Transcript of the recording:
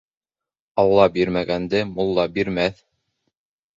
Алла бирмәгәнде мулла бирмәҫ.